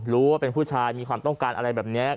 รู้ว่าเป็นผู้ชายมีความต้องการอะไรแบบนี้